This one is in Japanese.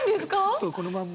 そうこのまんま。